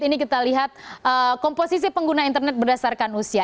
ini kita lihat komposisi pengguna internet berdasarkan usia